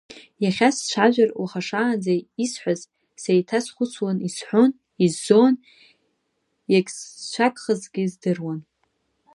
Иахьа сцәажәар уаха шаанӡа исҳәаз сеиҭазхәыцхуан, исшәон, исзон, иахьсцәагхазгьы здыруан…